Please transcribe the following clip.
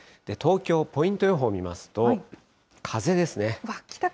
東京、ポイント予報見ますと、風ですね。